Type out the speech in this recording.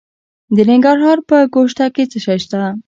د ننګرهار په ګوشته کې څه شی شته؟